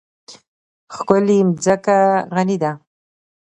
ښکلې مځکه غني ده.